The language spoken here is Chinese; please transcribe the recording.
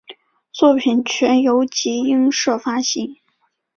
作品全由集英社发行。